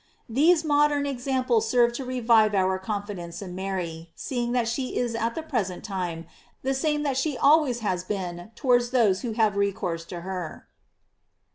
These modern examples serve to revive our confidence in Mary, seeing that she is at the present time the same that she always has been towards those who have recoursf lo her.